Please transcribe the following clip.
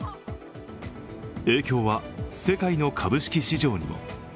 影響は世界の株式市場にも。